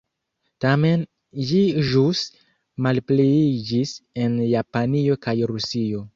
Tamen ĝi ĵus malpliiĝis en Japanio kaj Rusio.